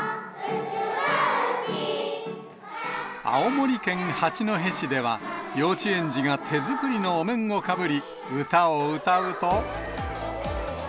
青森県八戸市では、幼稚園児が手作りのお面をかぶり、歌を歌うと。